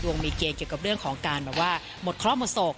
มีเกณฑ์เกี่ยวกับเรื่องของการแบบว่าหมดเคราะห์หมดโศก